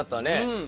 うん。